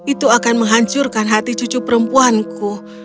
itu akan menghancurkan hati cucu perempuanku